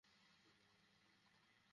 একজন পুলিশ শুধু আছে!